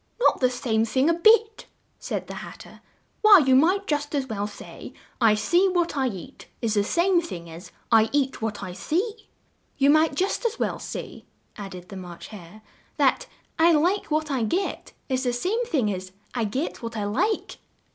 "Not the same thing a bit!" said the Hat ter. "Why, you might just as well say, 'I see what I eat' is the same thing as 'I eat what I see'!" "You might just as well say," added the March Hare, that 'I like what I get' is the same thing as 'I get what I like'!"